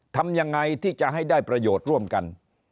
ทำยังไงที่จะให้ได้ประโยชน์ร่วมกัน